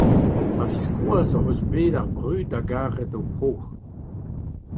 A-viskoazh hoc'h eus bet ar brud da garout ho pro.